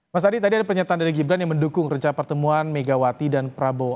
mas adi tadi ada pernyataan dari gibran yang mendukung rencana pertemuan megawati dan prabowo